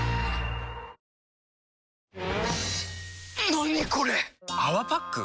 何これ⁉「泡パック」？